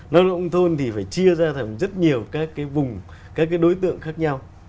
lao động nông thôn thì phải chia ra thành rất nhiều các cái vùng các đối tượng khác nhau